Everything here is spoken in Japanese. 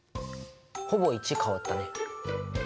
ほぼ１変わったね。